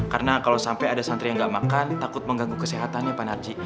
karena kalau sampai ada santri yang gak makan takut mengganggu kesehatannya pak narji